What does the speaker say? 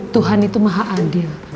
tuhan itu maha adil